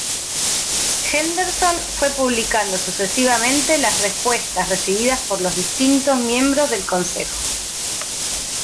Henderson fue publicando sucesivamente las respuestas recibidas por los distintos miembros del Consejo.